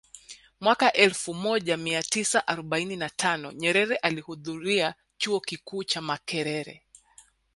Mwaka elfu moja mia tisa arobaini na tano Nyerere alihudhuria Chuo Kikuu cha Makerere